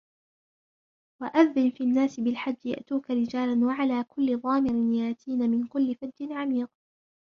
وَأَذِّنْ فِي النَّاسِ بِالْحَجِّ يَأْتُوكَ رِجَالًا وَعَلَى كُلِّ ضَامِرٍ يَأْتِينَ مِنْ كُلِّ فَجٍّ عَمِيقٍ